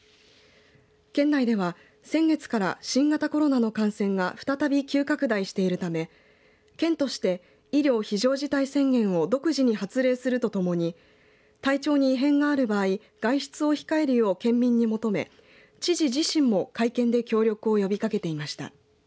県内では先月から新型コロナの感染が再び急拡大しているため県として医療非常事態宣言を独自に発令するとともに体調に異変がある場合外出を控えるよう県民に求め知事自身も会見で協力を呼びかけていました。